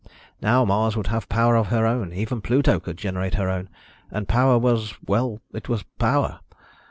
Now Mars would have power of her own. Even Pluto could generate her own. And power was ... well, it was power.